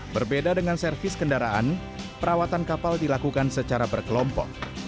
berbeda dengan servis kendaraan perawatan kapal dilakukan secara berkelompok